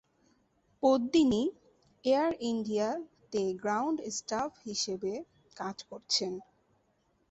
Padmini 'Air India' তে ground staff হিসেবে কাজ করেছেন।